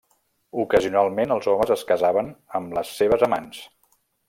Ocasionalment els homes es casaven amb les seves amants.